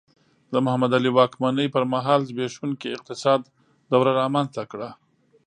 د محمد علي واکمنۍ پر مهال زبېښونکي اقتصاد دوره رامنځته کړه.